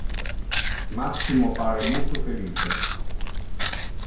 Maximo pare multo felice.